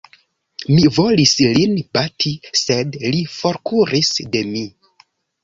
Mi volis lin bati, sed li forkuris de mi.